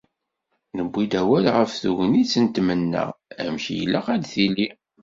Newwi-d awal ɣef tegnit n tmenna, amek i ilaq ad d-tili.